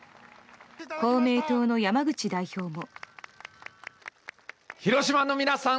公明党の山口代表も。